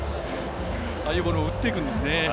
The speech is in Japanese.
ああいうボールも打っていくんですね。